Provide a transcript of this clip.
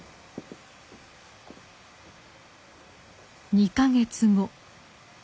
２か月後。